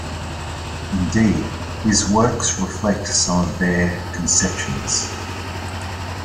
Indeed, his works reflect some of their conceptions.